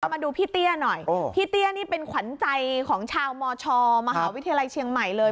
มาดูพี่เตี้ยหน่อยพี่เตี้ยนี่เป็นขวัญใจของชาวมชมหาวิทยาลัยเชียงใหม่เลย